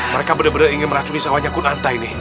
mereka bener bener ingin meracuni sawahnya kunanta ini